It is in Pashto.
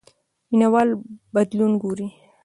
مینه وال بدلون ګوري.